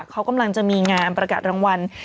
เขากำลังจะมีงานประกาศรางวัล